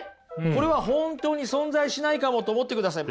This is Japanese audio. これは本当に存在しないかもと思ってください。